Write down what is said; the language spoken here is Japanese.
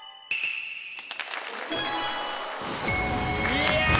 いや！